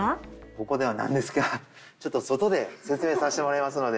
ここでは何ですがちょっと外で説明させてもらいますので。